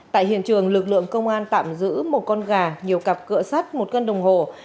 tại hiện trường lực lượng công an tạm giữ một con gà nhiều cặp cửa sắt một cân đồng hồ